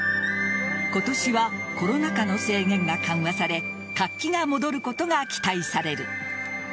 今年はコロナ禍の制限が緩和され活気が戻ることが期待される。